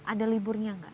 ada liburnya enggak